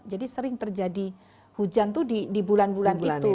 jadi sering terjadi hujan itu di bulan bulan itu